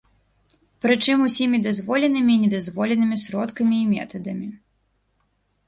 Прычым усімі дазволенымі і недазволенымі сродкамі і метадамі.